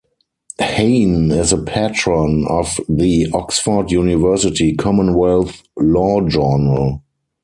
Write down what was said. Hayne is a patron of the "Oxford University Commonwealth Law Journal".